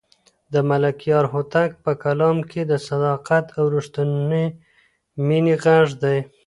د ملکیار هوتک په کلام کې د صداقت او رښتونې مینې غږ دی.